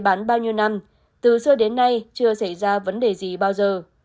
bán bao nhiêu năm từ xưa đến nay chưa xảy ra vấn đề gì bao giờ